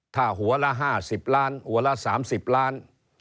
ถ้าหัวละ๕๐ล้านหัวละ๓๐ล้าน